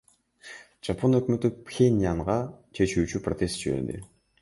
Жапон өкмөтү Пхеньянга чечүүчү протест жиберди.